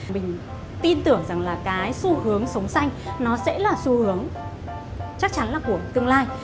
mình tin tưởng rằng là cái xu hướng sống xanh nó sẽ là xu hướng chắc chắn là của tương lai